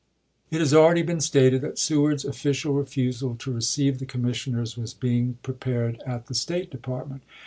It has already been stated that Seward's official refusal to receive the commissioners was being pre pared at the State Department.